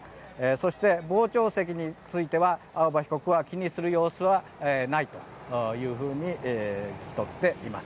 そして、傍聴席については青葉被告は気にする様子はないというふうに聞き取っています。